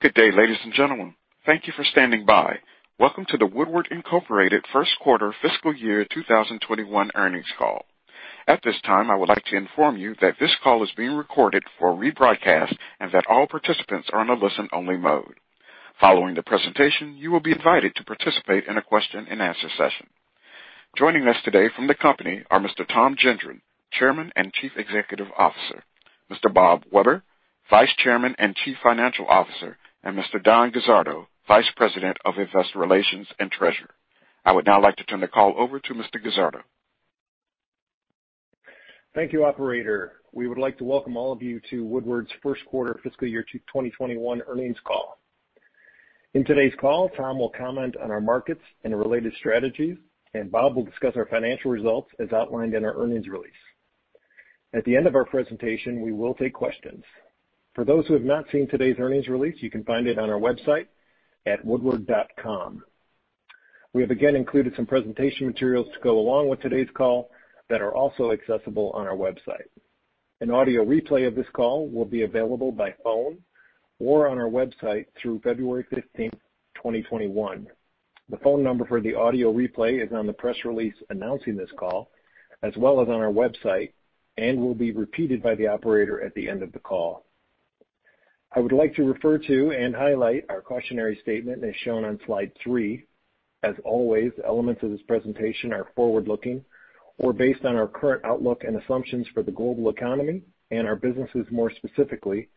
Good day, ladies and gentlemen. Thank you for standing by. Welcome to the Woodward Incorporated first quarter fiscal year 2021 earnings call. At this time, I would like to inform you that this call is being recorded for rebroadcast and that all participants are in a listen-only mode. Following the presentation, you will be invited to participate in a question-and-answer session. Joining us today from the company are Mr. Tom Gendron, Chairman and Chief Executive Officer, Mr. Bob Weber, Vice Chairman and Chief Financial Officer, and Mr. Don Guzzardo, Vice President of Investor Relations and Treasurer. I would now like to turn the call over to Mr. Guzzardo. Thank you, operator. We would like to welcome all of you to Woodward's first quarter fiscal year 2021 earnings call. In today's call, Tom will comment on our markets and related strategies, and Bob will discuss our financial results as outlined in our earnings release. At the end of our presentation, we will take questions. For those who have not seen today's earnings release, you can find it on our website at woodward.com. We have again included some presentation materials to go along with today's call that are also accessible on our website. An audio replay of this call will be available by phone or on our website through February 15th, 2021. The phone number for the audio replay is on the press release announcing this call, as well as on our website and will be repeated by the operator at the end of the call. I would like to refer to and highlight our cautionary statement as shown on slide three. As always, elements of this presentation are forward-looking or based on our current outlook and assumptions for the global economy and our businesses, more specifically,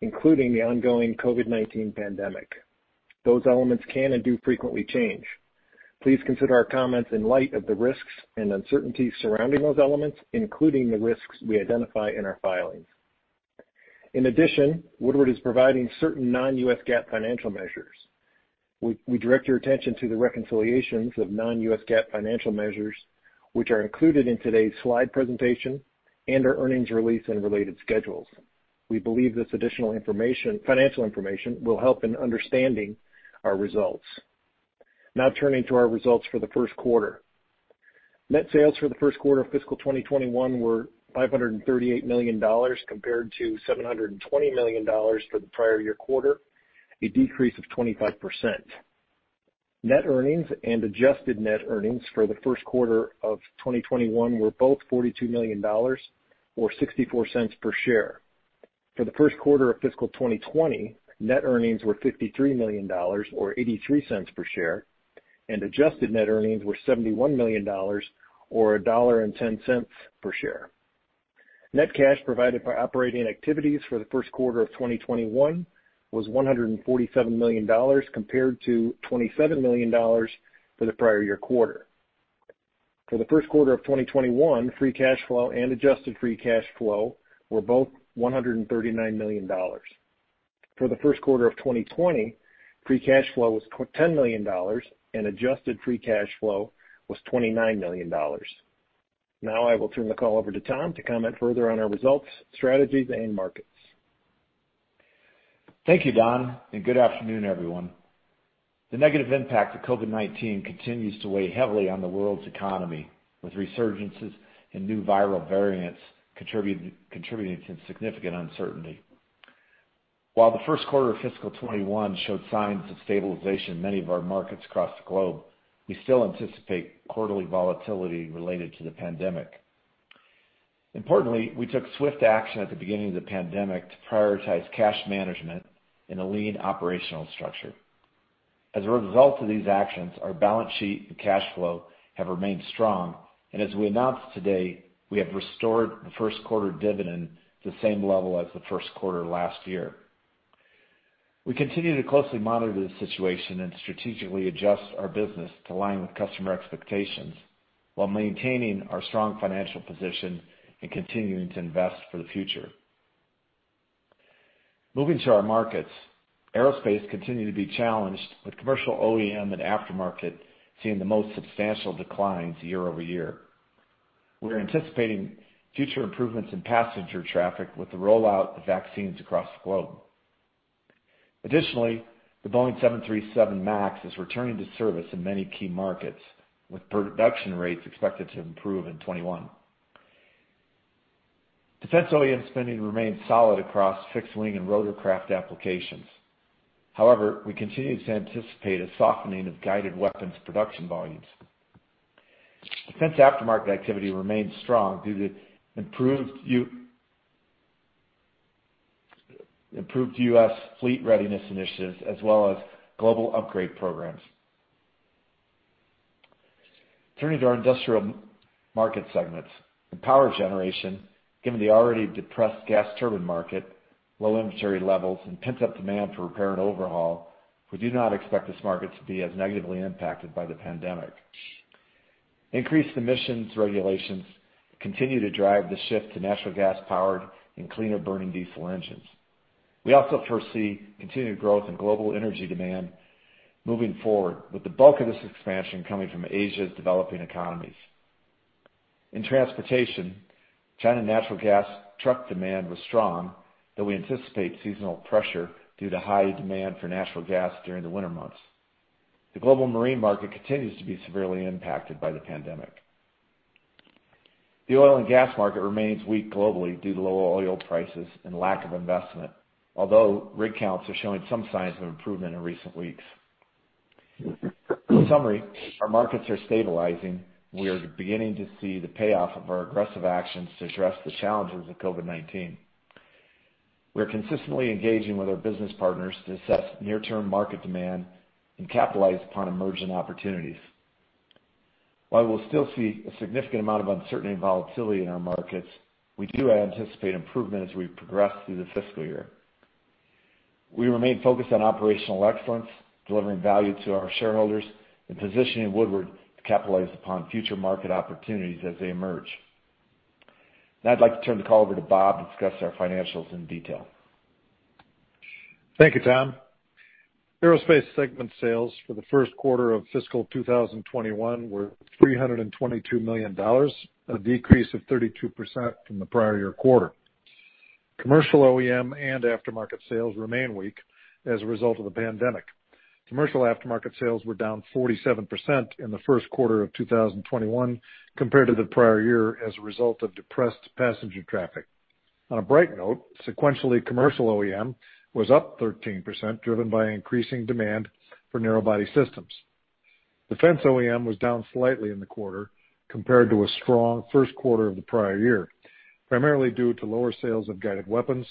including the ongoing COVID-19 pandemic. Those elements can and do frequently change. Please consider our comments in light of the risks and uncertainties surrounding those elements, including the risks we identify in our filings. In addition, Woodward is providing certain non-US GAAP financial measures. We direct your attention to the reconciliations of non-US GAAP financial measures, which are included in today's slide presentation and our earnings release and related schedules. We believe this additional financial information will help in understanding our results. Now turning to our results for the first quarter. Net sales for the first quarter of fiscal 2021 were $538 million compared to $720 million for the prior year quarter, a decrease of 25%. Net earnings and adjusted net earnings for the first quarter of 2021 were both $42 million, or $0.64 per share. For the first quarter of fiscal 2020, net earnings were $53 million, or $0.83 per share, and adjusted net earnings were $71 million, or $1.10 per share. Net cash provided by operating activities for the first quarter of 2021 was $147 million, compared to $27 million for the prior year quarter. For the first quarter of 2021, free cash flow and adjusted free cash flow were both $139 million. For the first quarter of 2020, free cash flow was $10 million and adjusted free cash flow was $29 million. Now I will turn the call over to Tom to comment further on our results, strategies, and markets. Thank you, Don, and good afternoon, everyone. The negative impact of COVID-19 continues to weigh heavily on the world's economy, with resurgences and new viral variants contributing to significant uncertainty. While the first quarter of fiscal 2021 showed signs of stabilization in many of our markets across the globe, we still anticipate quarterly volatility related to the pandemic. Importantly, we took swift action at the beginning of the pandemic to prioritize cash management in a lean operational structure. As a result of these actions, our balance sheet and cash flow have remained strong, and as we announced today, we have restored the first-quarter dividend to the same level as the first quarter last year. We continue to closely monitor the situation and strategically adjust our business to align with customer expectations while maintaining our strong financial position and continuing to invest for the future. Moving to our markets, aerospace continued to be challenged, with commercial OEM and aftermarket seeing the most substantial declines year-over-year. We are anticipating future improvements in passenger traffic with the rollout of vaccines across the globe. Additionally, the Boeing 737 MAX is returning to service in many key markets, with production rates expected to improve in 2021. Defense OEM spending remains solid across fixed-wing and rotorcraft applications. We continue to anticipate a softening of guided weapons production volumes. Defense aftermarket activity remains strong due to improved U.S. fleet readiness initiatives as well as global upgrade programs. Turning to our industrial market segments. In power generation, given the already depressed gas turbine market, low inventory levels, and pent-up demand for repair and overhaul, we do not expect this market to be as negatively impacted by the pandemic. Increased emissions regulations continue to drive the shift to natural gas-powered and cleaner-burning diesel engines. We also foresee continued growth in global energy demand moving forward, with the bulk of this expansion coming from Asia's developing economies. In transportation, China natural gas truck demand was strong, though we anticipate seasonal pressure due to high demand for natural gas during the winter months. The global marine market continues to be severely impacted by the pandemic. The oil and gas market remains weak globally due to low oil prices and lack of investment, although rig counts are showing some signs of improvement in recent weeks. In summary, our markets are stabilizing. We are beginning to see the payoff of our aggressive actions to address the challenges of COVID-19. We are consistently engaging with our business partners to assess near-term market demand and capitalize upon emerging opportunities. While we'll still see a significant amount of uncertainty and volatility in our markets, we do anticipate improvement as we progress through the fiscal year. We remain focused on operational excellence, delivering value to our shareholders, and positioning Woodward to capitalize upon future market opportunities as they emerge. Now I'd like to turn the call over to Bob to discuss our financials in detail. Thank you, Tom. Aerospace segment sales for the first quarter of fiscal 2021 were $322 million, a decrease of 32% from the prior year quarter. Commercial OEM and aftermarket sales remain weak as a result of the pandemic. Commercial aftermarket sales were down 47% in the first quarter of 2021 compared to the prior year as a result of depressed passenger traffic. On a bright note, sequentially, commercial OEM was up 13%, driven by increasing demand for narrow body systems. Defense OEM was down slightly in the quarter compared to a strong first quarter of the prior year, primarily due to lower sales of guided weapons,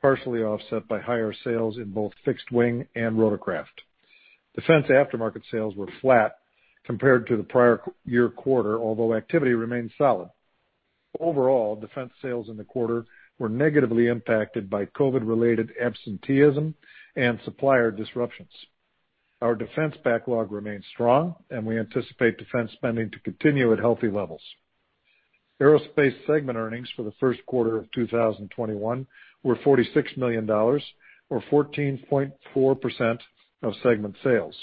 partially offset by higher sales in both fixed wing and rotorcraft. Defense aftermarket sales were flat compared to the prior year quarter, although activity remained solid. Overall, defense sales in the quarter were negatively impacted by COVID-related absenteeism and supplier disruptions. Our defense backlog remains strong, and we anticipate defense spending to continue at healthy levels. Aerospace segment earnings for the first quarter of 2021 were $46 million, or 14.4% of segment sales,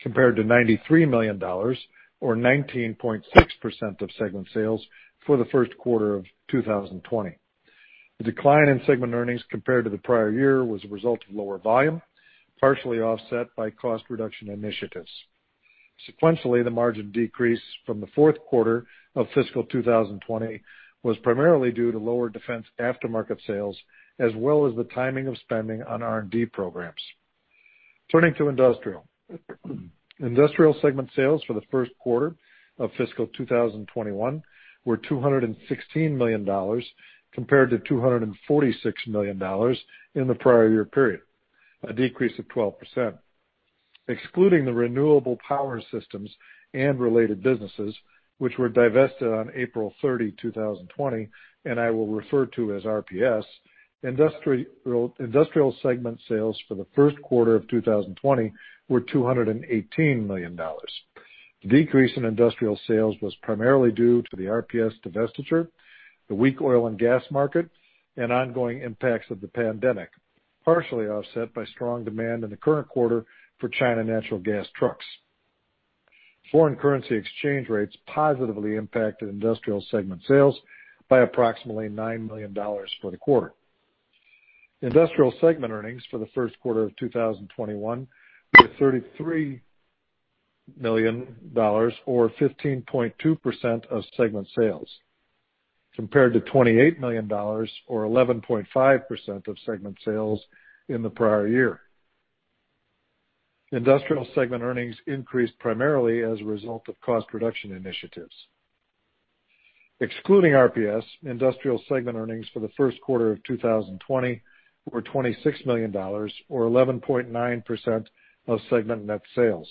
compared to $93 million, or 19.6% of segment sales for the first quarter of 2020. The decline in segment earnings compared to the prior year was a result of lower volume, partially offset by cost reduction initiatives. Sequentially, the margin decrease from the fourth quarter of fiscal 2020 was primarily due to lower defense aftermarket sales, as well as the timing of spending on R&D programs. Turning to Industrial. Industrial segment sales for the first quarter of fiscal 2021 were $216 million, compared to $246 million in the prior year period, a decrease of 12%. Excluding the Renewable Power Systems and related businesses, which were divested on April 30, 2020, and I will refer to as RPS, Industrial segment sales for the first quarter of 2020 were $218 million. The decrease in industrial sales was primarily due to the RPS divestiture, the weak oil and gas market, and ongoing impacts of the pandemic, partially offset by strong demand in the current quarter for China natural gas trucks. Foreign currency exchange rates positively impacted Industrial segment sales by approximately $9 million for the quarter. Industrial segment earnings for the first quarter of 2021 were $33 million, or 15.2% of segment sales, compared to $28 million, or 11.5% of segment sales in the prior year. Industrial segment earnings increased primarily as a result of cost reduction initiatives. Excluding RPS, Industrial segment earnings for the first quarter of 2020 were $26 million, or 11.9% of segment net sales.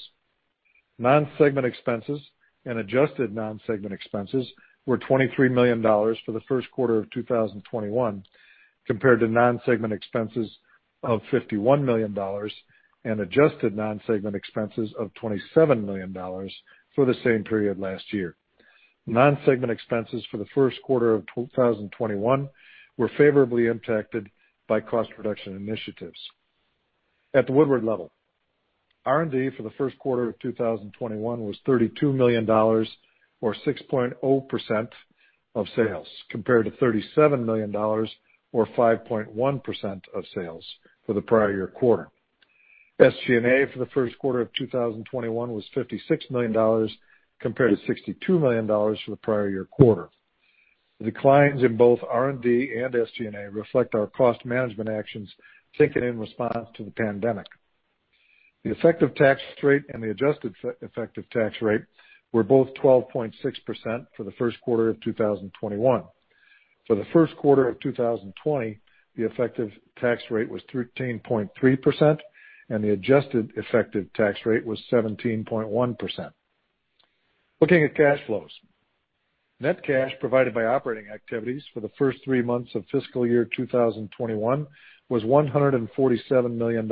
Non-segment expenses and adjusted non-segment expenses were $23 million for the first quarter of 2021, compared to non-segment expenses of $51 million and adjusted non-segment expenses of $27 million for the same period last year. Non-segment expenses for the first quarter of 2021 were favorably impacted by cost reduction initiatives. At the Woodward level, R&D for the first quarter of 2021 was $32 million, or 6.0% of sales, compared to $37 million, or 5.1% of sales for the prior year quarter. SG&A for the first quarter of 2021 was $56 million, compared to $62 million for the prior year quarter. The declines in both R&D and SG&A reflect our cost management actions taken in response to the pandemic. The effective tax rate and the adjusted effective tax rate were both 12.6% for the first quarter of 2021. For the first quarter of 2020, the effective tax rate was 13.3%, and the adjusted effective tax rate was 17.1%. Looking at cash flows. Net cash provided by operating activities for the first three months of fiscal year 2021 was $147 million,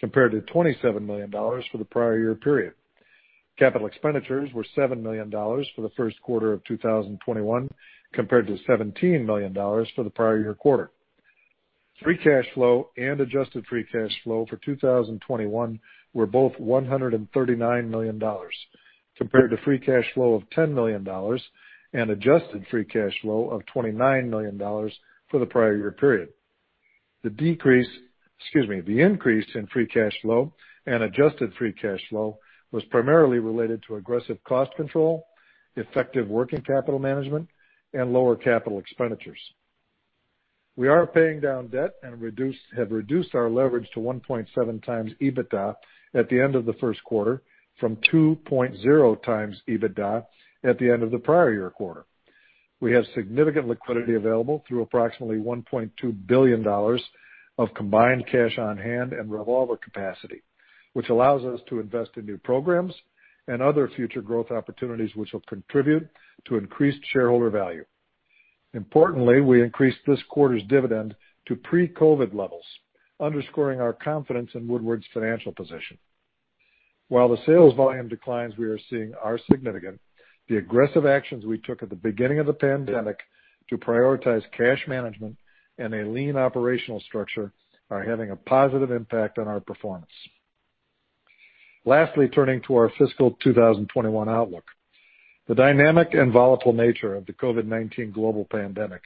compared to $27 million for the prior year period. Capital expenditures were $7 million for the first quarter of 2021, compared to $17 million for the prior year quarter. Free cash flow and adjusted free cash flow for 2021 were both $139 million, compared to free cash flow of $10 million and adjusted free cash flow of $29 million for the prior year period. The increase in free cash flow and adjusted free cash flow was primarily related to aggressive cost control, effective working capital management, and lower capital expenditures. We are paying down debt and have reduced our leverage to 1.7x EBITDA at the end of the first quarter from 2.0x EBITDA at the end of the prior year quarter. We have significant liquidity available through approximately $1.2 billion of combined cash on hand and revolver capacity, which allows us to invest in new programs and other future growth opportunities which will contribute to increased shareholder value. Importantly, we increased this quarter's dividend to pre-COVID levels, underscoring our confidence in Woodward's financial position. While the sales volume declines, we are seeing are significant, the aggressive actions we took at the beginning of the pandemic to prioritize cash management and a lean operational structure are having a positive impact on our performance. Lastly, turning to our fiscal 2021 outlook. The dynamic and volatile nature of the COVID-19 global pandemic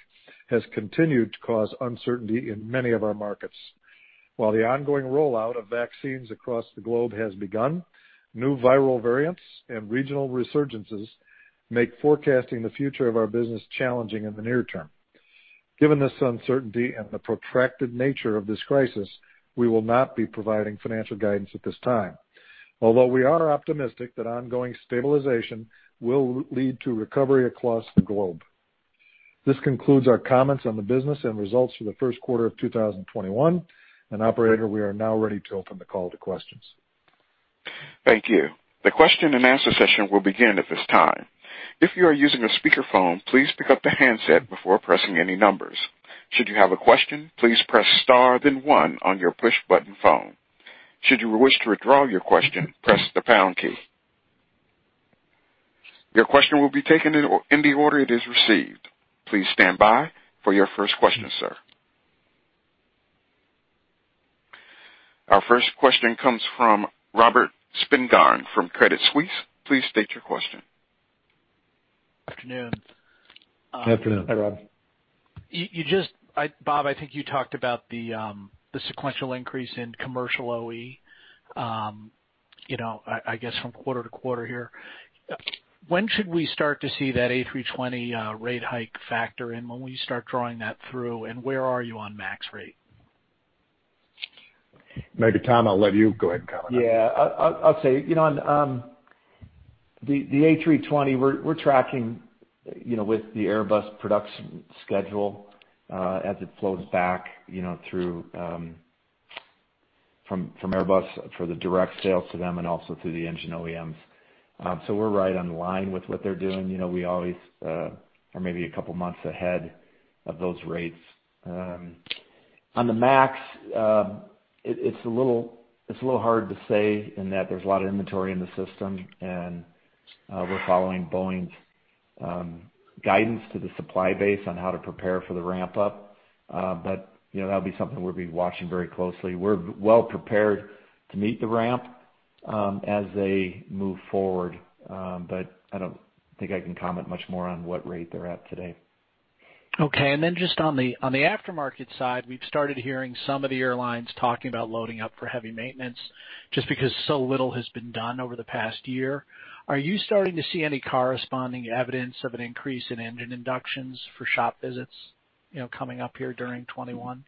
has continued to cause uncertainty in many of our markets. While the ongoing rollout of vaccines across the globe has begun, new viral variants and regional resurgences make forecasting the future of our business challenging in the near term. Given this uncertainty and the protracted nature of this crisis, we will not be providing financial guidance at this time, although we are optimistic that ongoing stabilization will lead to recovery across the globe. This concludes our comments on the business and results for the first quarter of 2021. Operator, we are now ready to open the call to questions. Thank you. The question-and-answer session will begin at this time. If you are using a speakerphone, please pick up the handset before pressing any numbers. Should you have a question, please press star then one on your push button phone. Should you wish to withdraw your question, press the pound key. Your question will be taken in the order it is received. Please stand by for your first question, sir. Our first question comes from Robert Spingarn from Credit Suisse. Please state your question. Afternoon. Afternoon. Hi, Rob. Bob, I think you talked about the sequential increase in commercial OE, I guess, from quarter-to-quarter here. When should we start to see that A320 rate hike factor in? When will you start drawing that through? Where are you on MAX rate? Maybe, Tom, I'll let you go ahead and comment on that. Yeah. I'll say, the A320, we're tracking with the Airbus production schedule as it flows back from Airbus for the direct sales to them and also through the engine OEMs. We're right in line with what they're doing. We always are maybe a couple of months ahead of those rates. On the MAX, it's a little hard to say in that there's a lot of inventory in the system, and we're following Boeing's guidance to the supply base on how to prepare for the ramp-up. That'll be something we'll be watching very closely. We're well prepared to meet the ramp as they move forward, but I don't think I can comment much more on what rate they're at today. Okay. Just on the aftermarket side, we've started hearing some of the airlines talking about loading up for heavy maintenance just because so little has been done over the past year. Are you starting to see any corresponding evidence of an increase in engine inductions for shop visits coming up here during 2021?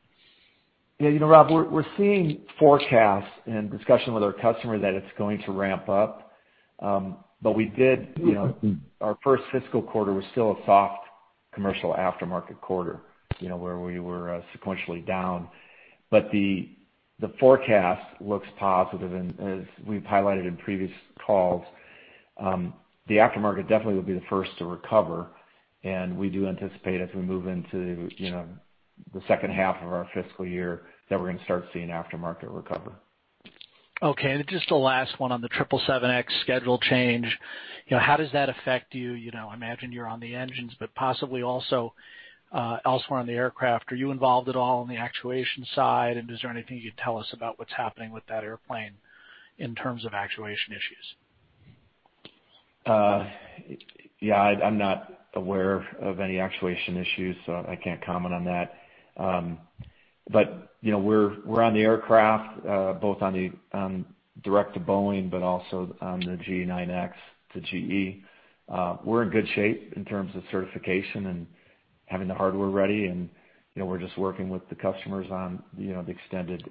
Yeah, Rob, we're seeing forecasts and discussion with our customer that it's going to ramp up. Our first fiscal quarter was still a soft commercial aftermarket quarter, where we were sequentially down. The forecast looks positive, and as we've highlighted in previous calls, the aftermarket definitely will be the first to recover, and we do anticipate as we move into the second half of our fiscal year, that we're going to start seeing aftermarket recover. Okay. Just the last one on the 777X schedule change, how does that affect you? I imagine you're on the engines, but possibly also elsewhere on the aircraft. Are you involved at all on the actuation side, and is there anything you could tell us about what's happening with that airplane in terms of actuation issues? Yeah, I'm not aware of any actuation issues. I can't comment on that. We're on the aircraft, both on direct to Boeing, but also on the GE9X to GE. We're in good shape in terms of certification and having the hardware ready. We're just working with the customers on the extended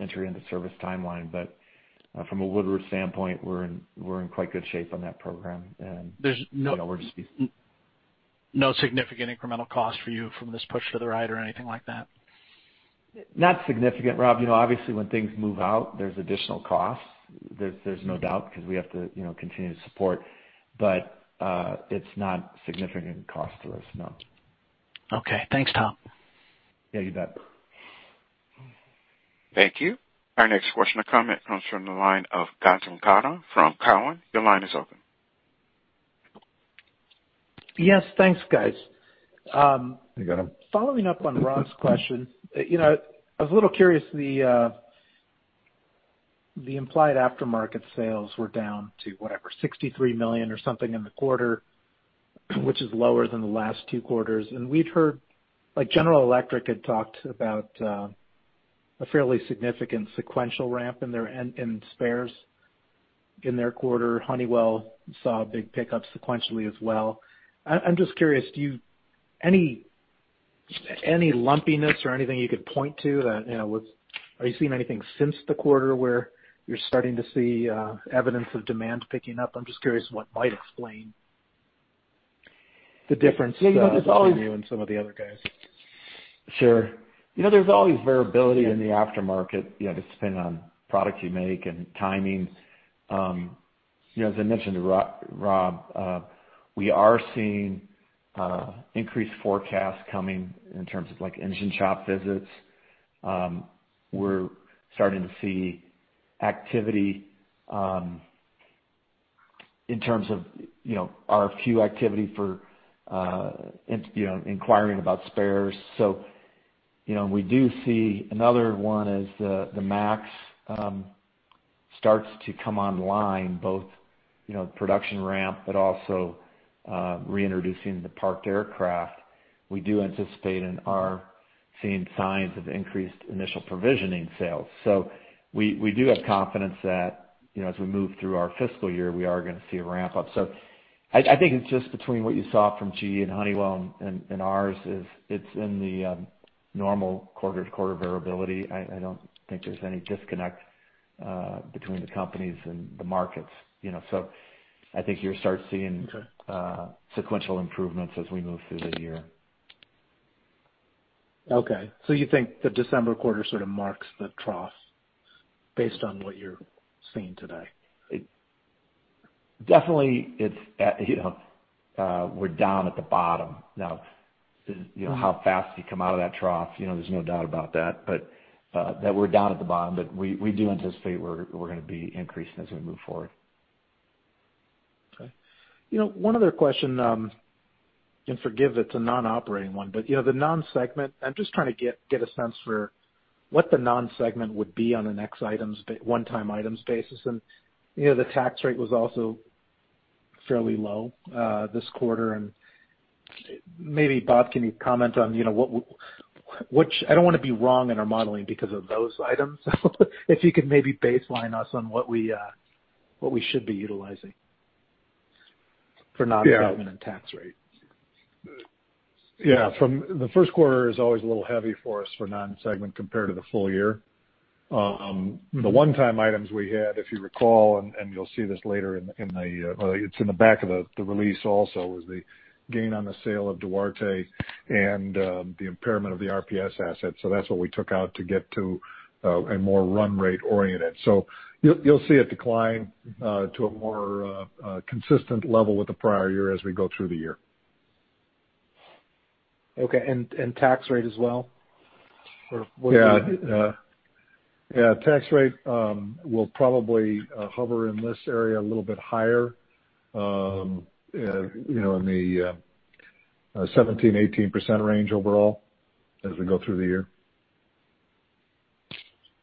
entry into service timeline. From a Woodward standpoint, we're in quite good shape on that program. There's no. We're just. No significant incremental cost for you from this push to the right or anything like that? Not significant, Rob. Obviously, when things move out, there's additional costs, there's no doubt, because we have to continue to support, but it's not significant cost to us, no. Okay. Thanks, Tom. Yeah. You bet. Thank you. Our next question or comment comes from the line of Gautam Khanna from Cowen. Your line is open. Yes. Thanks, guys. Hey, Gautam. Following up on Rob's question, I was a little curious. The implied aftermarket sales were down to, whatever, $63 million or something in the quarter, which is lower than the last two quarters. We'd heard, General Electric had talked about a fairly significant sequential ramp in spares in their quarter. Honeywell saw a big pickup sequentially as well. I'm just curious, any lumpiness or anything you could point to? Are you seeing anything since the quarter where you're starting to see evidence of demand picking up? I'm just curious what might explain the difference. Yeah, there's always. Between you and some of the other guys. Sure. There's always variability in the aftermarket, depending on product you make and timing. As I mentioned to Rob, we are seeing increased forecasts coming in terms of engine shop visits. We're starting to see activity in terms of RFQ activity for inquiring about spares. We do see another one as the MAX starts to come online, both production ramp, but also reintroducing the parked aircraft. We do anticipate and are seeing signs of increased initial provisioning sales. We do have confidence that, as we move through our fiscal year, we are going to see a ramp up. I think it's just between what you saw from GE and Honeywell and ours is it's in the normal quarter-to-quarter variability. I don't think there's any disconnect between the companies and the markets. I think you'll start seeing. Okay Sequential improvements as we move through the year. Okay. You think the December quarter sort of marks the trough based on what you're seeing today? Definitely, we're down at the bottom. How fast do you come out of that trough? There's no doubt about that. We're down at the bottom, but we do anticipate we're going to be increasing as we move forward. Okay. One other question, and forgive, it's a non-operating one, but the non-segment, I'm just trying to get a sense for what the non-segment would be on an ex-item, one-time items basis. The tax rate was also fairly low this quarter. Maybe, Bob, can you comment on I don't want to be wrong in our modeling because of those items. If you could maybe baseline us on what we should be utilizing for non-segment and tax rate. Yeah. The first quarter is always a little heavy for us for non-segment compared to the full year. The one-time items we had, if you recall, and you'll see this Well, it's in the back of the release also, was the gain on the sale of Duarte and the impairment of the RPS asset. That's what we took out to get to a more run rate oriented. You'll see it decline to a more consistent level with the prior year as we go through the year. Okay. Tax rate as well? Yeah. Tax rate will probably hover in this area a little bit higher, in the 17%, 18% range overall as we go through the year.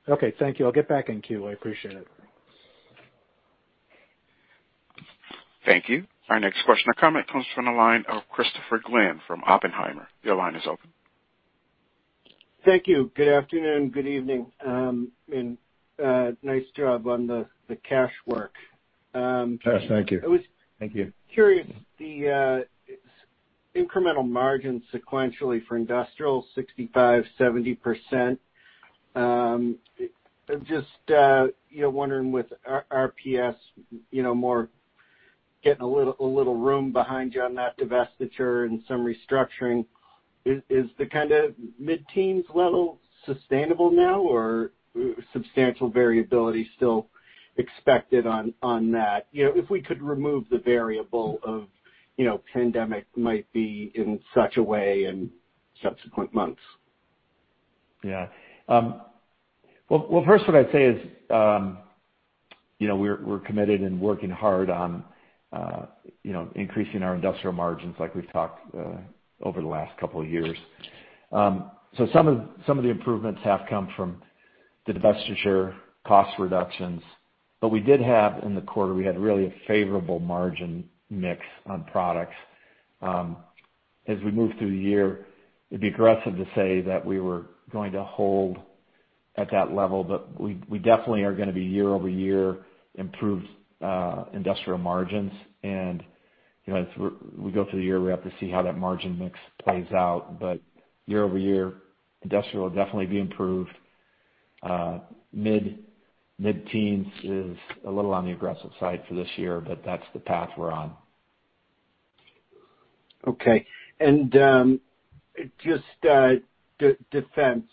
Okay, thank you. I'll get back in queue. I appreciate it. Thank you. Our next question or comment comes from the line of Christopher Glynn from Oppenheimer. Your line is open. Thank you. Good afternoon, good evening. Nice job on the cash work. Yes, thank you. I was. Thank you. Curious, the incremental margin sequentially for Industrial, 65%-70%. Just wondering with RPS, more getting a little room behind you on that divestiture and some restructuring. Is the kind of mid-teens level sustainable now, or substantial variability still expected on that? If we could remove the variable of pandemic might be in such a way in subsequent months. Yeah. Well, first what I'd say is we're committed and working hard on increasing our industrial margins, like we've talked over the last couple of years. Some of the improvements have come from the divestiture cost reductions. We did have, in the quarter, we had really a favorable margin mix on products. As we move through the year, it'd be aggressive to say that we were going to hold at that level, but we definitely are going to be year-over-year improved industrial margins. As we go through the year, we have to see how that margin mix plays out. Year-over-year, industrial will definitely be improved. Mid-teens is a little on the aggressive side for this year, but that's the path we're on. Okay. Just defense,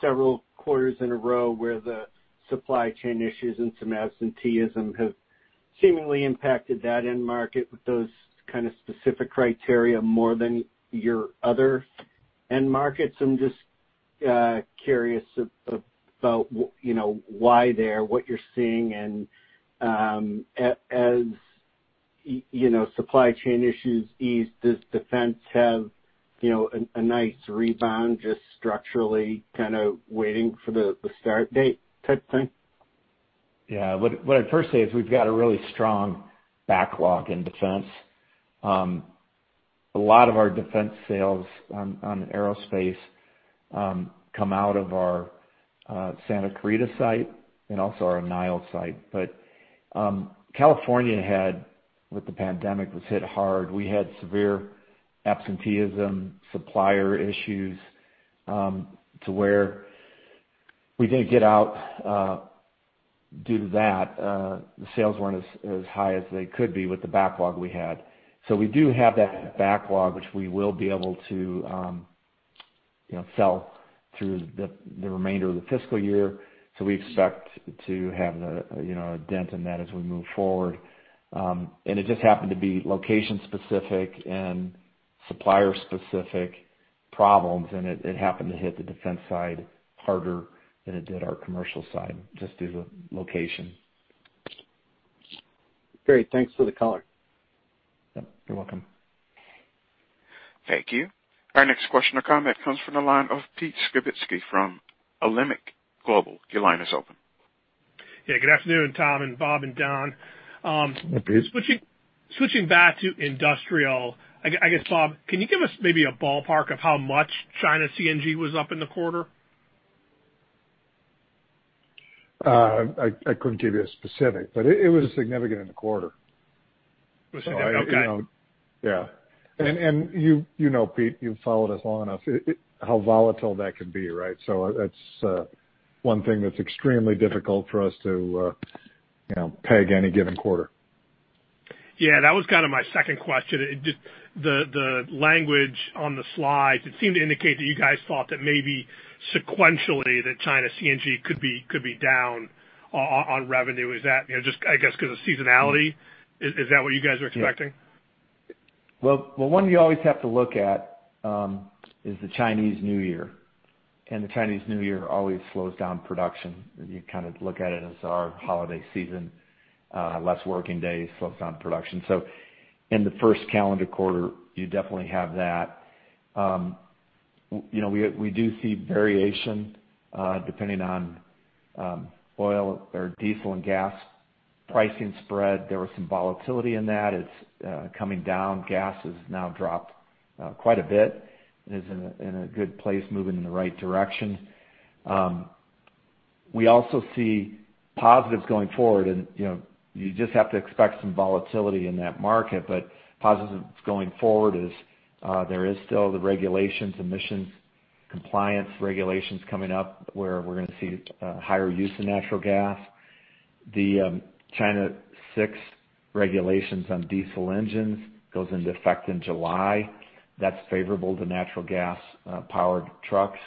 several quarters in a row where the supply chain issues and some absenteeism have seemingly impacted that end market with those kind of specific criteria more than your other end markets. I'm just curious about why there, what you're seeing, and as supply chain issues ease, does defense have a nice rebound, just structurally kind of waiting for the start date type thing? Yeah. What I'd first say is we've got a really strong backlog in defense. A lot of our defense sales on aerospace come out of our Santa Clarita site and also our Niles site. California, with the pandemic, was hit hard. We had severe absenteeism, supplier issues, to where we didn't get out due to that. The sales weren't as high as they could be with the backlog we had. We do have that backlog, which we will be able to sell through the remainder of the fiscal year. We expect to have a dent in that as we move forward. It just happened to be location specific and supplier specific problems, and it happened to hit the defense side harder than it did our commercial side, just due to location. Great. Thanks for the color. Yep, you're welcome. Thank you. Our next question or comment comes from the line of Pete Skibitski from Alembic Global. Your line is open. Good afternoon, Tom and Bob and Don. Hi, Pete. Switching back to industrial, I guess, Bob, can you give us maybe a ballpark of how much China CNG was up in the quarter? I couldn't give you a specific, but it was significant in the quarter. It was significant? Okay. Yeah. You know, Pete, you've followed us long enough, how volatile that can be, right? That's one thing that's extremely difficult for us to peg any given quarter. Yeah, that was kind of my second question. Just the language on the slides, it seemed to indicate that you guys thought that maybe sequentially that China CNG could be down on revenue. Is that, just I guess, because of seasonality? Is that what you guys are expecting? Well, one you always have to look at is the Chinese New Year, and the Chinese New Year always slows down production. You kind of look at it as our holiday season, less working days, slows down production. In the first calendar quarter, you definitely have that. We do see variation, depending on oil or diesel and gas pricing spread. There was some volatility in that. It's coming down. Gas has now dropped quite a bit and is in a good place moving in the right direction. We also see positives going forward and you just have to expect some volatility in that market, but positives going forward is there is still the regulations, emissions compliance regulations coming up where we're going to see higher use of natural gas. The China VI regulations on diesel engines goes into effect in July. That's favorable to natural gas-powered trucks.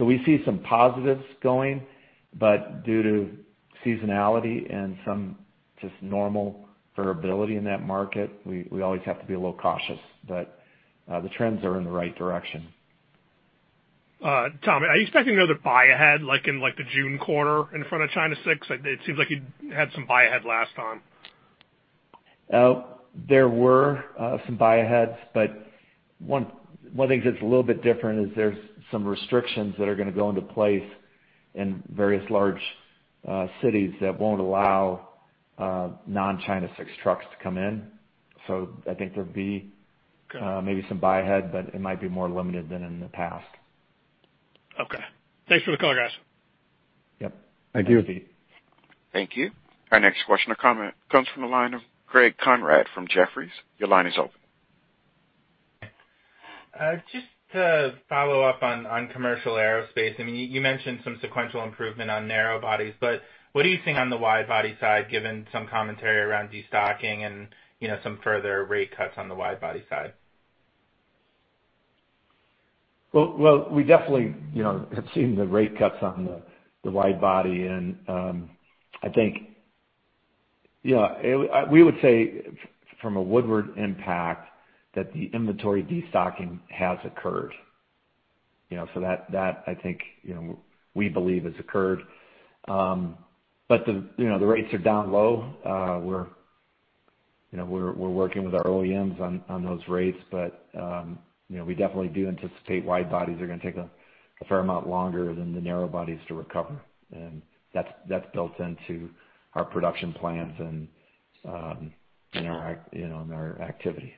We see some positives going, but due to seasonality and some just normal variability in that market, we always have to be a little cautious. The trends are in the right direction. Tom, are you expecting another buy ahead like in the June quarter in front of China VI? It seems like you had some buy ahead last time. There were some buy aheads. One of the things that's a little bit different is there's some restrictions that are going to go into place in various large cities that won't allow non-China VI trucks to come in. I think there'd be maybe some buy ahead, but it might be more limited than in the past. Okay. Thanks for the color, guys. Yep. Thank you, Pete. Thank you. Our next question or comment comes from the line of Greg Konrad from Jefferies. Your line is open. Just to follow up on commercial aerospace, you mentioned some sequential improvement on narrow bodies, but what are you seeing on the wide body side, given some commentary around destocking and some further rate cuts on the wide body side? Well, we definitely have seen the rate cuts on the wide body, and I think we would say from a Woodward impact that the inventory destocking has occurred. That I think we believe has occurred. The rates are down low. We're working with our OEMs on those rates. We definitely do anticipate wide bodies are going to take a fair amount longer than the narrow bodies to recover, and that's built into our production plans and our activity.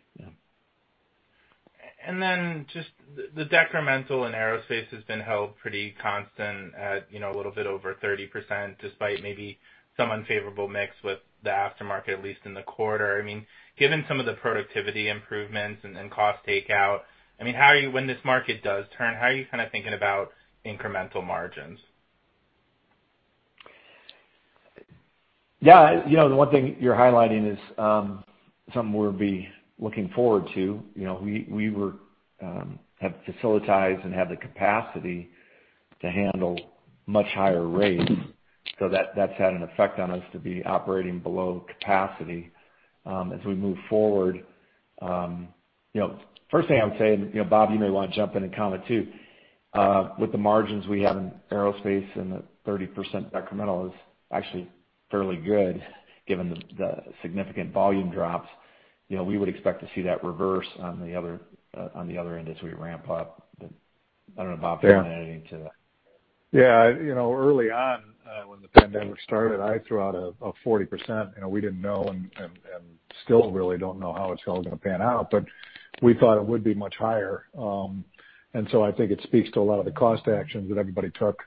Yeah. Just the decremental in aerospace has been held pretty constant at a little bit over 30%, despite maybe some unfavorable mix with the aftermarket, at least in the quarter. Given some of the productivity improvements and cost takeout, when this market does turn, how are you kind of thinking about incremental margins? Yeah. The one thing you're highlighting is something we'll be looking forward to. We have facilitized and have the capacity to handle much higher rates. That's had an effect on us to be operating below capacity. As we move forward, first thing I would say, and Bob, you may want to jump in and comment too, with the margins we have in aerospace and the 30% incremental is actually fairly good given the significant volume drops. We would expect to see that reverse on the other end as we ramp up. I don't know, Bob, if you want to add anything to that. Yeah. Early on when the pandemic started, I threw out a 40%. We didn't know and still really don't know how it's all going to pan out, but we thought it would be much higher. I think it speaks to a lot of the cost actions that everybody took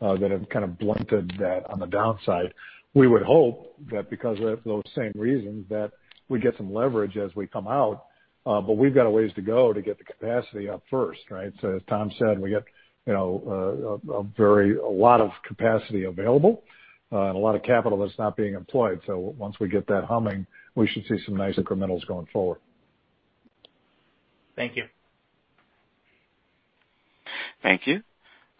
that have kind of blunted that on the downside. We would hope that because of those same reasons, that we get some leverage as we come out. We've got a ways to go to get the capacity up first, right? As Tom said, we got a lot of capacity available and a lot of capital that's not being employed. Once we get that humming, we should see some nice incrementals going forward. Thank you. Thank you.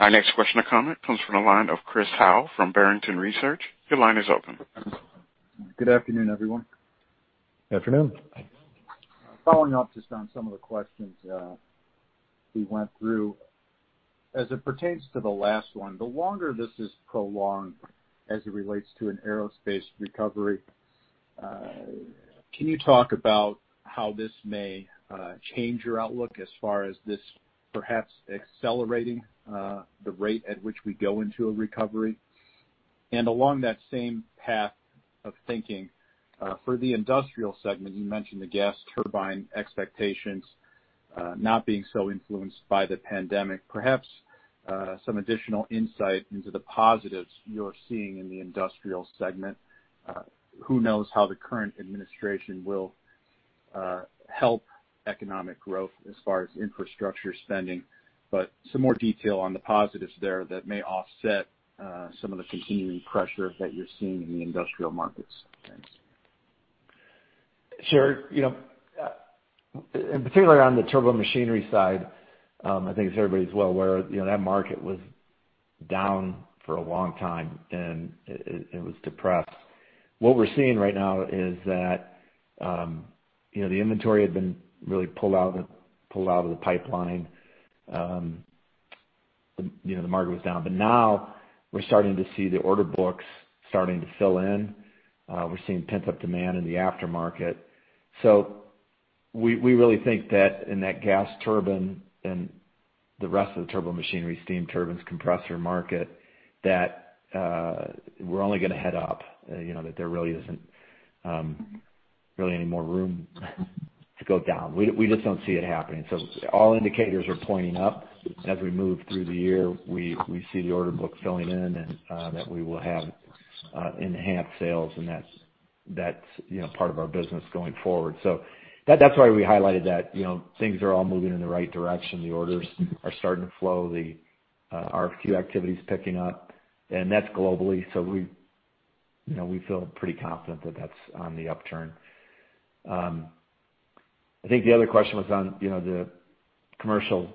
Our next question or comment comes from the line of Chris Howe from Barrington Research. Your line is open. Good afternoon, everyone. Afternoon. Following up just on some of the questions we went through. As it pertains to the last one, the longer this is prolonged as it relates to an aerospace recovery, can you talk about how this may change your outlook as far as this perhaps accelerating the rate at which we go into a recovery? Along that same path of thinking, for the Industrial segment, you mentioned the gas turbine expectations not being so influenced by the pandemic. Perhaps some additional insight into the positives you're seeing in the Industrial segment. Who knows how the current administration will help economic growth as far as infrastructure spending but some more detail on the positives there that may offset some of the continuing pressure that you're seeing in the industrial markets. Thanks. Sure. In particular on the turbomachinery side, I think as everybody's well aware, that market was down for a long time, and it was depressed. What we're seeing right now is that the inventory had been really pulled out of the pipeline. The market was down. Now we're starting to see the order books starting to fill in. We're seeing pent-up demand in the aftermarket. We really think that in that gas turbine and the rest of the turbomachinery steam turbines compressor market, that we're only going to head up. There really isn't any more room to go down. We just don't see it happening. All indicators are pointing up. As we move through the year, we see the order book filling in, and that we will have enhanced sales, and that's part of our business going forward. That's why we highlighted that things are all moving in the right direction. The orders are starting to flow. The RFQ activity's picking up, and that's globally. We feel pretty confident that that's on the upturn. I think the other question was on the commercial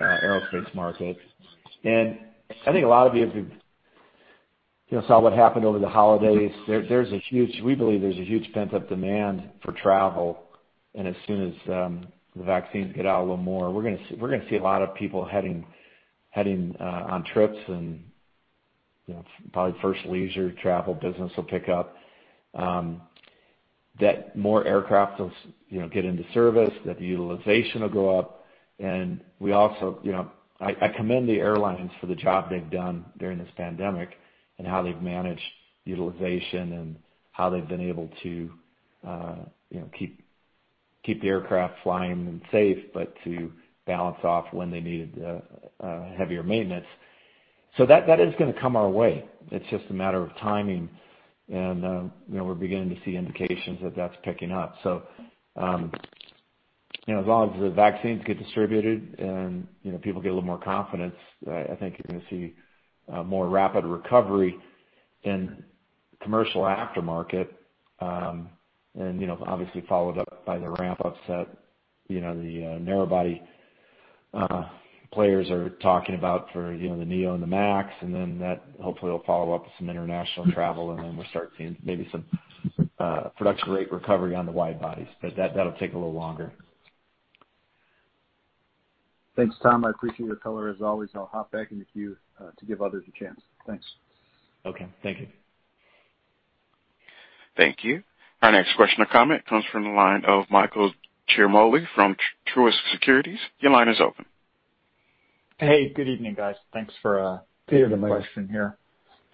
aerospace market. I think a lot of you have saw what happened over the holidays. We believe there's a huge pent-up demand for travel, and as soon as the vaccines get out a little more, we're going to see a lot of people heading on trips, and probably first leisure travel business will pick up. That more aircrafts get into service, that the utilization will go up. I commend the airlines for the job they've done during this pandemic, and how they've managed utilization and how they've been able to keep the aircraft flying and safe, but to balance off when they needed heavier maintenance. That is going to come our way. It's just a matter of timing, and we're beginning to see indications that that's picking up. As long as the vaccines get distributed and people get a little more confidence, I think you're going to see a more rapid recovery in commercial aftermarket. Obviously followed up by the ramp ups that the narrow body players are talking about for the neo and the MAX, and then that hopefully will follow up with some international travel, and then we'll start seeing maybe some production rate recovery on the wide bodies. That'll take a little longer. Thanks, Tom. I appreciate your color as always. I'll hop back in the queue to give others a chance. Thanks. Okay. Thank you. Thank you. Our next question or comment comes from the line of Michael Ciarmoli from Truist Securities. Your line is open. Hey, good evening, guys. Thanks for taking the question here. Good evening.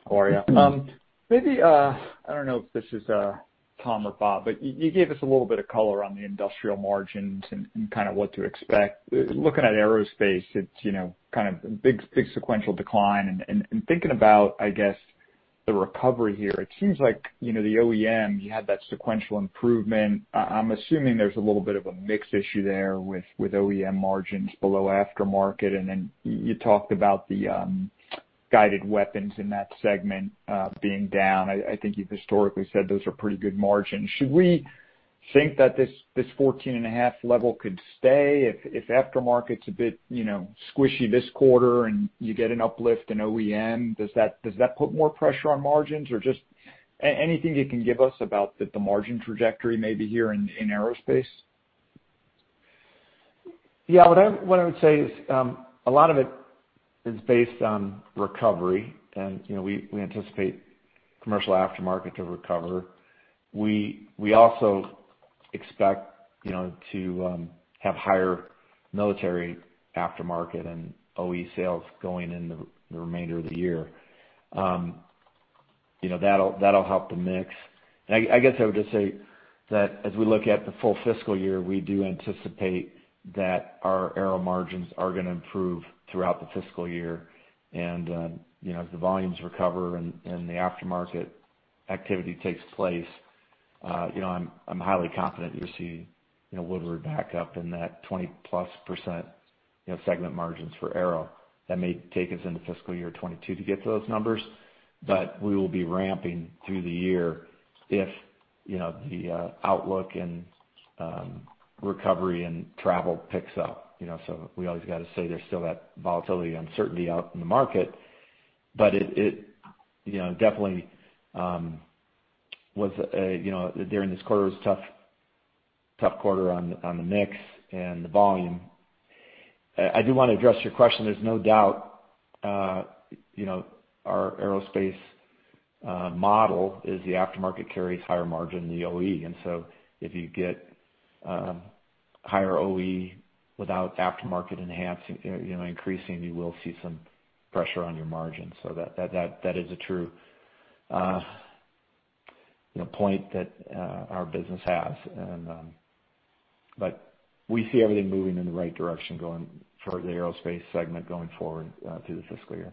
How are you? I don't know if this is Tom or Bob, but you gave us a little bit of color on the industrial margins and kind of what to expect. Looking at aerospace, it's kind of big sequential decline, and thinking about, I guess, the recovery here. It seems like the OEM, you had that sequential improvement. I'm assuming there's a little bit of a mix issue there with OEM margins below aftermarket. You talked about the guided weapons in that segment being down. I think you've historically said those are pretty good margins. Should we think that this 14.5% level could stay if aftermarket's a bit squishy this quarter and you get an uplift in OEM? Does that put more pressure on margins? Just anything you can give us about the margin trajectory maybe here in aerospace? Yeah. What I would say is, a lot of it is based on recovery, and we anticipate commercial aftermarket to recover. We also expect to have higher military aftermarket and OE sales going in the remainder of the year. That'll help the mix. I guess I would just say that as we look at the full fiscal year, we do anticipate that our Aero margins are going to improve throughout the fiscal year. As the volumes recover, and the aftermarket activity takes place, I'm highly confident you'll see Woodward back up in that 20%+ segment margins for Aero. That may take us into fiscal year 2022 to get to those numbers, but we will be ramping through the year if the outlook and recovery and travel picks up. We always got to say there's still that volatility uncertainty out in the market, but it definitely, during this quarter, was a tough quarter on the mix and the volume. I do want to address your question. There's no doubt our aerospace model is the aftermarket carries higher margin than the OE. If you get higher OE without aftermarket increasing, you will see some pressure on your margins. That is a true point that our business has. We see everything moving in the right direction for the Aerospace segment going forward through the fiscal year.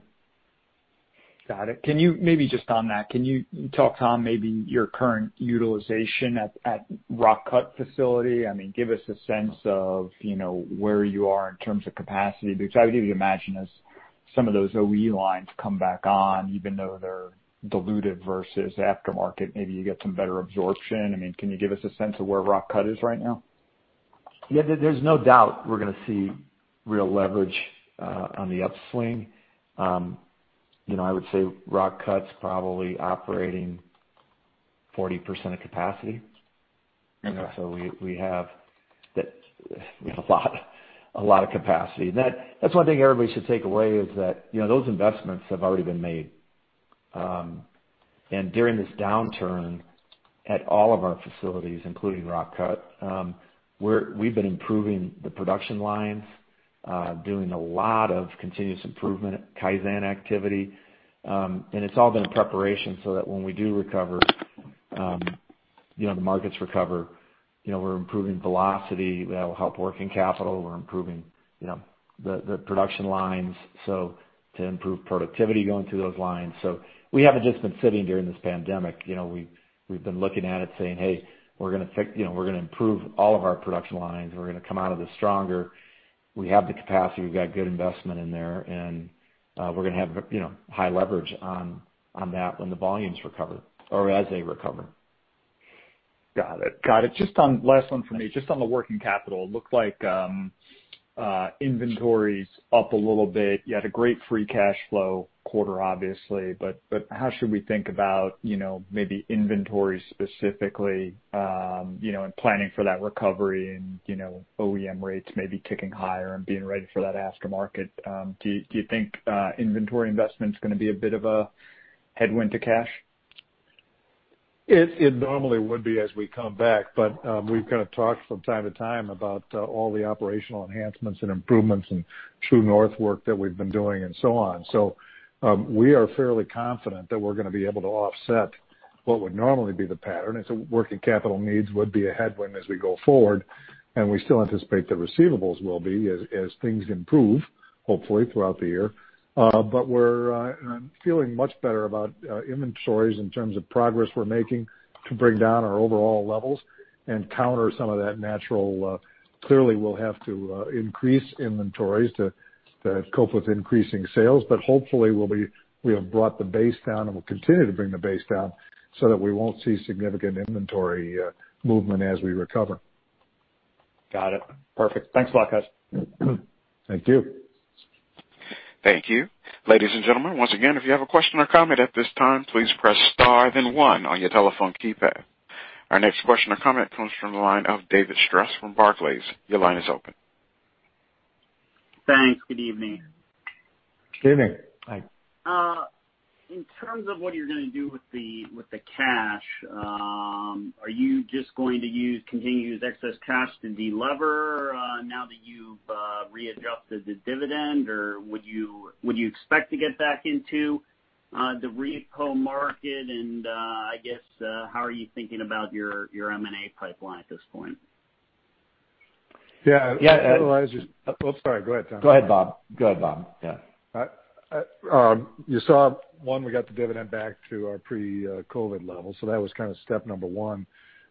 Got it. Maybe just on that, can you talk, Tom, maybe your current utilization at Rock Cut facility? Give us a sense of where you are in terms of capacity, because I would imagine as some of those OE lines come back on, even though they're diluted versus aftermarket, maybe you get some better absorption. Can you give us a sense of where Rock Cut is right now? Yeah, there's no doubt we're going to see real leverage on the upswing. I would say Rock Cut's probably operating 40% of capacity. Okay. We have a lot of capacity. That's one thing everybody should take away, is that those investments have already been made. During this downturn, at all of our facilities, including Rock Cut, we've been improving the production lines, doing a lot of continuous improvement, Kaizen activity, and it's all been in preparation so that when we do recover, the markets recover, we're improving velocity. That will help working capital. We're improving the production lines, so to improve productivity going through those lines. We haven't just been sitting during this pandemic. We've been looking at it saying, "Hey, we're going to improve all of our production lines. We're going to come out of this stronger. We have the capacity. We've got good investment in there, and we're going to have high leverage on that when the volumes recover, or as they recover. Got it. Just last one from me. Just on the working capital, it looked like inventories up a little bit. You had a great free cash flow quarter, obviously, but how should we think about maybe inventory specifically, and planning for that recovery and OEM rates maybe ticking higher and being ready for that aftermarket? Do you think inventory investment's going to be a bit of a headwind to cash? It normally would be as we come back, but we've kind of talked from time to time about all the operational enhancements and improvements and True North work that we've been doing and so on. We are fairly confident that we're going to be able to offset what would normally be the pattern. Working capital needs would be a headwind as we go forward, and we still anticipate the receivables will be, as things improve, hopefully, throughout the year. We're feeling much better about inventories in terms of progress we're making to bring down our overall levels and counter some of that natural. Clearly, we'll have to increase inventories to cope with increasing sales. Hopefully, we have brought the base down, and we'll continue to bring the base down so that we won't see significant inventory movement as we recover. Got it. Perfect. Thanks a lot, guys. Thank you. Thank you. Ladies and gentlemen, once again, if you have a question or comment at this time, please press star then one on your telephone keypad. Our next question or comment comes from the line of David Strauss from Barclays. Your line is open. Thanks. Good evening. Good evening. Hi. In terms of what you're going to do with the cash, are you just going to continue to use excess cash to delever now that you've readjusted the dividend, or would you expect to get back into the repo market? I guess, how are you thinking about your M&A pipeline at this point? Yeah. Yeah. Well, Oh, sorry. Go ahead, Tom. Go ahead, Bob. Go ahead, Bob. Yeah. You saw, one, we got the dividend back to our pre-COVID-19 level, so that was kind of step number one.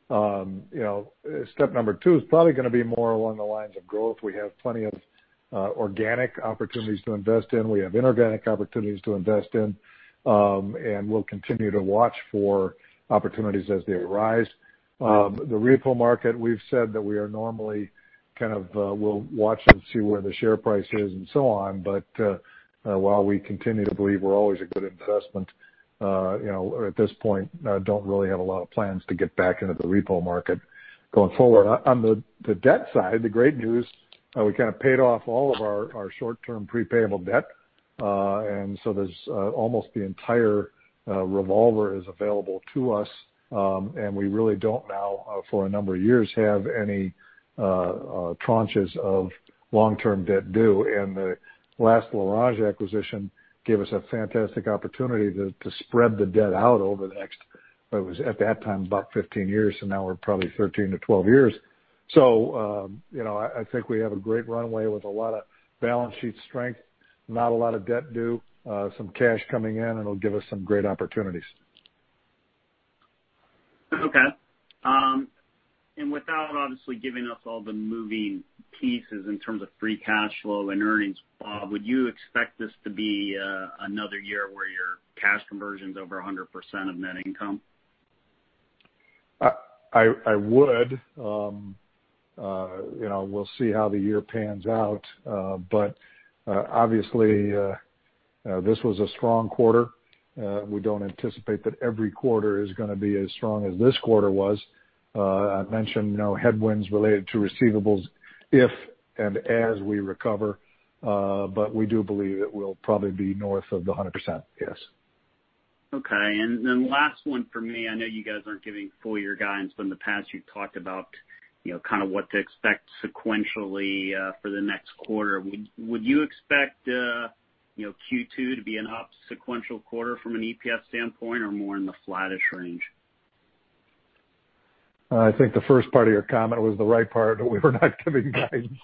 Step number two is probably going to be more along the lines of growth. We have plenty of organic opportunities to invest in. We have inorganic opportunities to invest in. We'll continue to watch for opportunities as they arise. The repo market, we've said that we are normally kind of we'll watch and see where the share price is and so on. While we continue to believe we're always a good investment, at this point, don't really have a lot of plans to get back into the repo market going forward. On the debt side, the great news, we kind of paid off all of our short-term pre-payable debt. Almost the entire revolver is available to us, and we really don't now, for a number of years, have any tranches of long-term debt due. The last L'Orange acquisition gave us a fantastic opportunity to spread the debt out over the next, it was at that time, about 15 years, so now we're probably 13 to 12 years. I think we have a great runway with a lot of balance sheet strength, not a lot of debt due, some cash coming in, and it'll give us some great opportunities. Okay. Without obviously giving us all the moving pieces in terms of free cash flow and earnings, Bob, would you expect this to be another year where your cash conversions over 100% of net income? I would. We'll see how the year pans out. Obviously, this was a strong quarter. We don't anticipate that every quarter is going to be as strong as this quarter was. I mentioned headwinds related to receivables if and as we recover. We do believe it will probably be north of the 100%, yes. Okay. Last one for me. I know you guys aren't giving full year guidance, but in the past you've talked about kind of what to expect sequentially for the next quarter. Would you expect Q2 to be an up sequential quarter from an EPS standpoint or more in the flattish range? I think the first part of your comment was the right part. We were not giving guidance.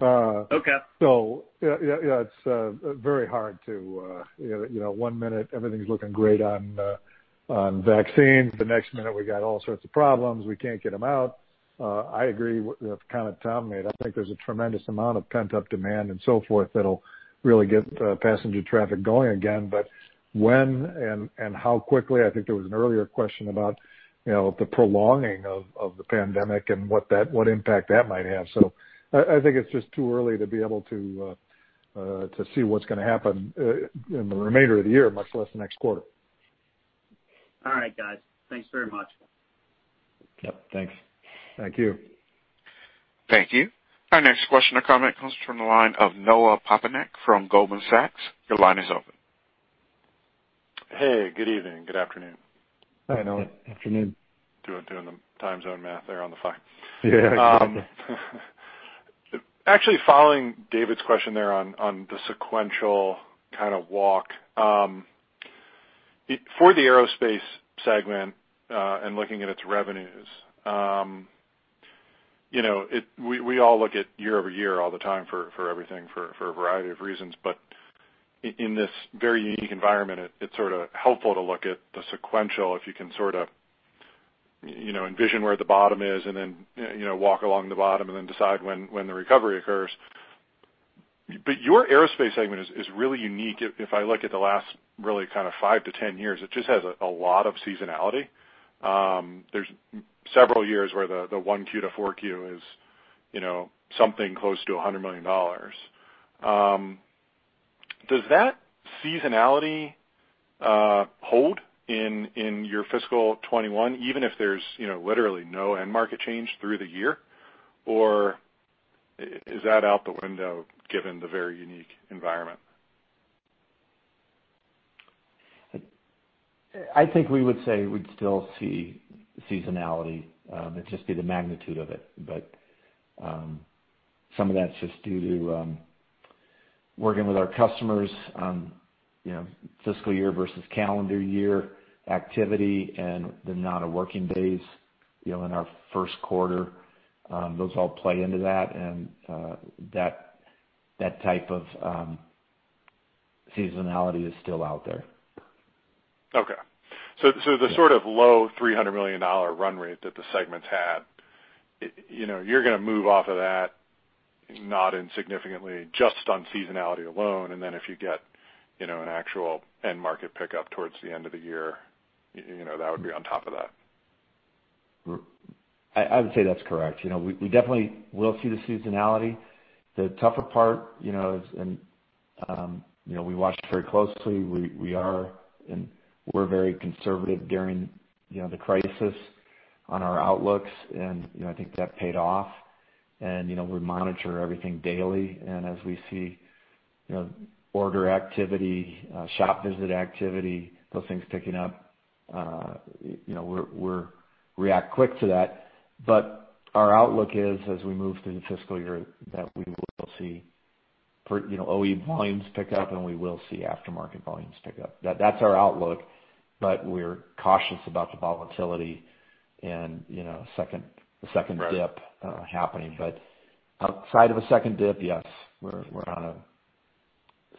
Okay. Yeah. One minute everything's looking great on vaccines, the next minute we got all sorts of problems. We can't get them out. I agree with the comment Tom made. I think there's a tremendous amount of pent-up demand and so forth that'll really get passenger traffic going again. When and how quickly? I think there was an earlier question about the prolonging of the pandemic and what impact that might have. I think it's just too early to be able to see what's going to happen in the remainder of the year, much less the next quarter. All right, guys. Thanks very much. Yep, thanks. Thank you. Thank you. Our next question or comment comes from the line of Noah Poponak from Goldman Sachs. Your line is open. Hey, good evening. Good afternoon. Hi, Noah. Afternoon. Doing the time zone math there on the fly. Yeah, got it. Actually, following David's question there on the sequential kind of walk. For the Aerospace segment, and looking at its revenues, we all look at year-over-year all the time for everything for a variety of reasons. In this very unique environment, it's sort of helpful to look at the sequential if you can sort of envision where the bottom is and then walk along the bottom and then decide when the recovery occurs. Your Aerospace segment is really unique. If I look at the last really kind of five to 10 years, it just has a lot of seasonality. There's several years where the 1Q to 4Q is something close to $100 million. Does that seasonality hold in your fiscal 2021, even if there's literally no end market change through the year? Is that out the window given the very unique environment? I think we would say we'd still see seasonality. It'd just be the magnitude of it. Some of that's just due to working with our customers on fiscal year versus calendar year activity and the amount of working days in our first quarter. Those all play into that. That type of seasonality is still out there. Okay. The sort of low $300 million run rate that the segment's had, you're going to move off of that not insignificantly just on seasonality alone, and then if you get an actual end market pickup towards the end of the year, that would be on top of that. I would say that's correct. We definitely will see the seasonality. The tougher part is, and we watched very closely. We were very conservative during the crisis on our outlooks, and I think that paid off. We monitor everything daily, and as we see order activity, shop visit activity, those things picking up, we react quick to that. Our outlook is, as we move through the fiscal year, that we will see OE volumes pick up and we will see aftermarket volumes pick up. That's our outlook, but we're cautious about the volatility and a second dip happening. Outside of a second dip, yes, we're on a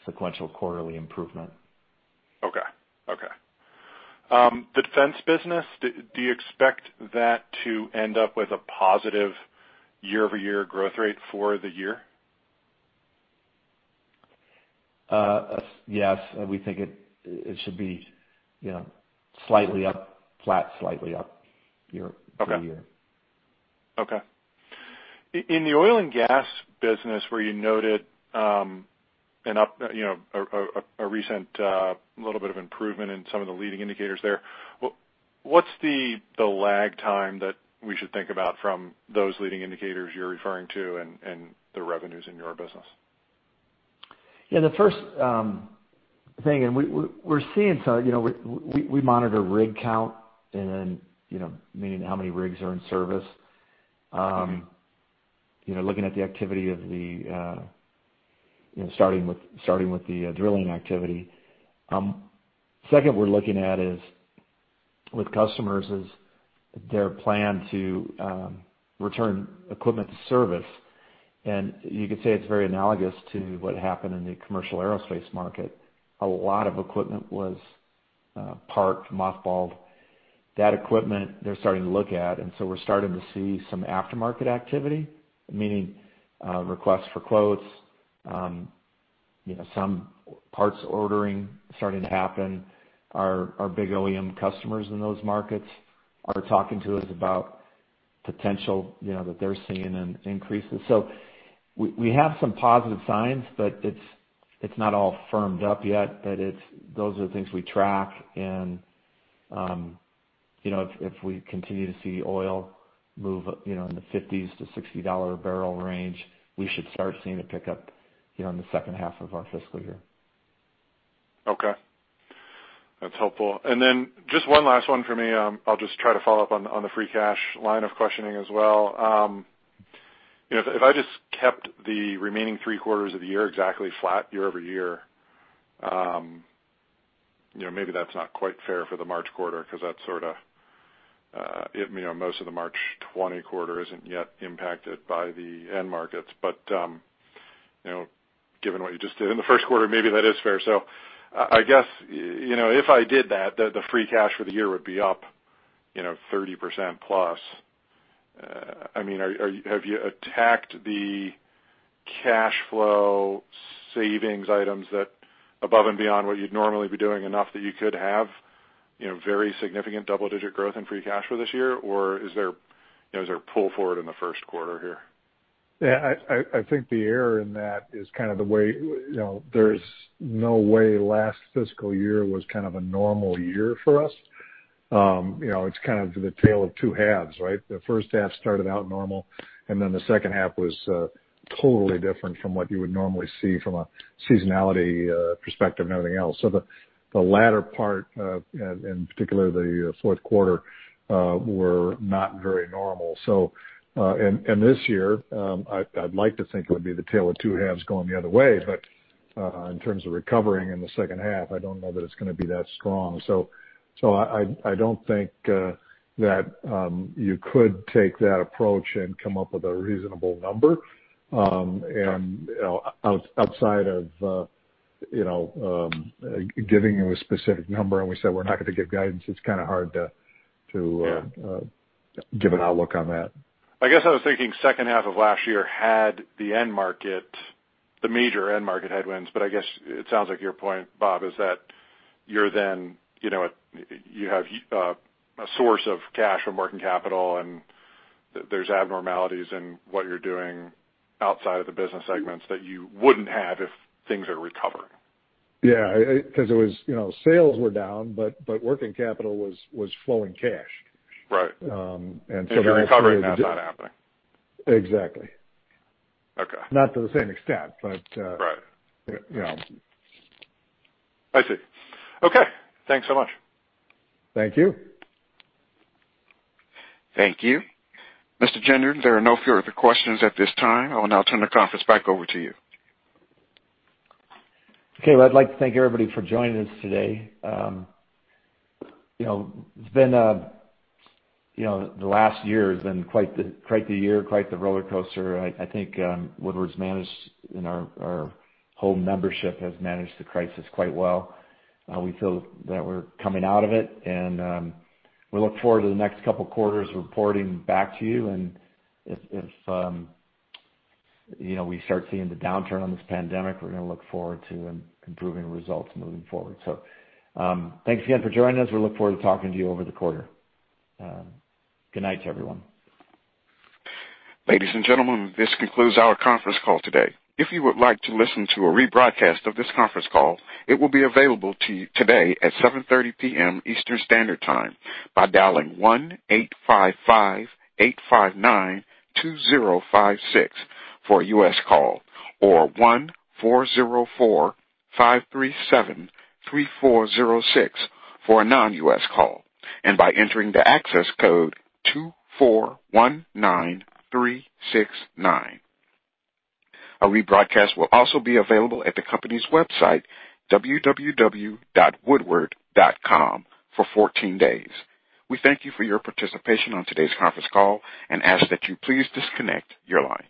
sequential quarterly improvement. Okay. The defense business, do you expect that to end up with a positive year-over-year growth rate for the year? Yes. We think it should be slightly up, flat, slightly up year-over-year. Okay. In the oil and gas business where you noted a recent little bit of improvement in some of the leading indicators there, What's the lag time that we should think about from those leading indicators you're referring to and the revenues in your business? Yeah, the first thing, we monitor rig count, meaning how many rigs are in service. Okay. Looking at the activity, starting with the drilling activity. Second, we're looking at is, with customers, is their plan to return equipment to service. You could say it's very analogous to what happened in the commercial aerospace market. A lot of equipment was parked, mothballed. That equipment they're starting to look at, and so we're starting to see some aftermarket activity, meaning Requests For Quotes, some parts ordering starting to happen. Our big OEM customers in those markets are talking to us about potential that they're seeing an increase. We have some positive signs, but it's not all firmed up yet, but those are the things we track. If we continue to see oil move in the $50-$60 barrel range, we should start seeing a pickup in the second half of our fiscal year. Okay. That's helpful. Just one last one for me. I'll just try to follow up on the free cash line of questioning as well. If I just kept the remaining three quarters of the year exactly flat year-over-year, maybe that's not quite fair for the March quarter because most of the March 2020 quarter isn't yet impacted by the end markets. Given what you just did in the first quarter, maybe that is fair. I guess, if I did that, the free cash for the year would be up 30%+. Have you attacked the cash flow savings items above and beyond what you'd normally be doing enough that you could have very significant double-digit growth in free cash flow this year? Is there pull forward in the first quarter here? Yeah, I think the error in that is kind of the way, there's no way last fiscal year was kind of a normal year for us. It's kind of the tale of two halves, right? The first half started out normal, the second half was totally different from what you would normally see from a seasonality perspective and everything else. The latter part, and particularly the fourth quarter, were not very normal. This year, I'd like to think it would be the tale of two halves going the other way. In terms of recovering in the second half, I don't know that it's going to be that strong. I don't think that you could take that approach and come up with a reasonable number. Outside of giving you a specific number, and we said we're not going to give guidance it's kind of hard to. Yeah. Give an outlook on that. I guess I was thinking second half of last year had the major end market headwinds, but I guess it sounds like your point, Bob, is that you have a source of cash from working capital, and there's abnormalities in what you're doing outside of the business segments that you wouldn't have if things are recovering. Yeah, sales were down, but working capital was flowing cash. Right. And so. If you're recovering, now that's not happening. Exactly. Okay. Not to the same extent. Right. You know. I see. Okay. Thanks so much. Thank you. Thank you. Mr. Gendron, there are no further questions at this time. I will now turn the conference back over to you. Okay. Well, I'd like to thank everybody for joining us today. The last year has been quite the year, quite the rollercoaster. I think Woodward's managed, and our whole membership has managed the crisis quite well. We feel that we're coming out of it, and we look forward to the next couple of quarters reporting back to you. If we start seeing the downturn on this pandemic, we're going to look forward to improving results moving forward. Thanks again for joining us. We look forward to talking to you over the quarter. Good night to everyone. Ladies and gentlemen, this concludes our conference call today. If you would like to listen to a rebroadcast of this conference call, it will be available to you today at 7:30 P.M. Eastern Standard Time by dialing 1-855-859-2056 for a U.S. call, or 1-404-537-3406 for a non-U.S. call, and by entering the access code 2419369. A rebroadcast will also be available at the company's website, www.woodward.com, for 14 days. We thank you for your participation on today's conference call and ask that you please disconnect your line.